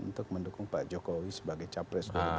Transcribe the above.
untuk mendukung pak jokowi sebagai capres